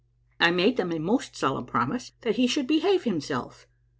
I made them a most solemn promise that he should behave himself.